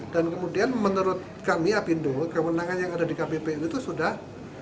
dan kemudian menurut kami apindo kewenangan yang ada di kppu itu sudah